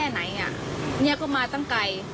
แค่ไหนนี่ก็มาตั้งไกล